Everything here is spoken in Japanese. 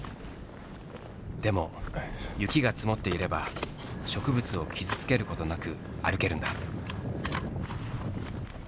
でも雪が積もっていれば植物を傷つけることなく歩けるんだ。